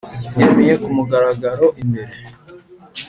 yemeye ku mugaragaro imbere